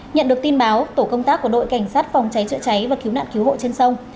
nhận được tin báo tổ công tác của đội cảnh sát phòng cháy chữa cháy và cứu nạn cứu hộ trên sông